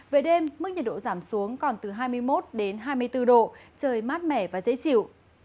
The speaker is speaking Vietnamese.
về đêm mức nhiệt độ giảm xuống còn từ hai mươi một đến hai mươi bốn độ trời mát mẻ và dễ chịu